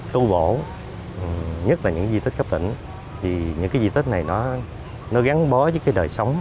tu bổ nhất là những di tích cấp tỉnh vì những cái di tích này nó gắn bó với cái đời sống